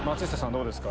どうですか？